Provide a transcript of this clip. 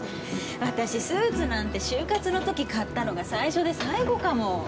私スーツなんて就活の時買ったのが最初で最後かも。